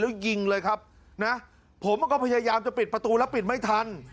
แล้วยิงเลยครับนะผมก็พยายามจะปิดประตูแล้วปิดไม่ทัน